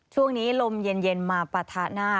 ช่วงนี้ลมเย็นมาปะทะหน้า